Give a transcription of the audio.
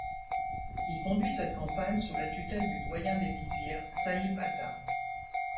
Il conduit cette campagne sous la tutelle du doyen des vizirs Sahip Ata.